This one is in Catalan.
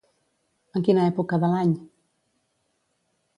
En quina època de l'any?